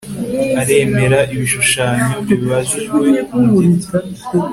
aremera ibishushanyo bibajijwe mu giti